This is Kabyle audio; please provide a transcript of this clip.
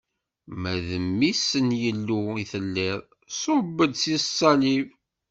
Ma d Mmi-s n Yillu i telliḍ, ṣubb-d si ṣṣalib.